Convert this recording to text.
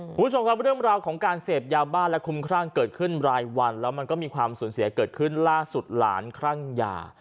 คุณผู้ชมครับเรื่องราวของการเสพยาบ้าและคุ้มครั่งเกิดขึ้นรายวันแล้วมันก็มีความสูญเสียเกิดขึ้นล่าสุดหลานคลั่งยา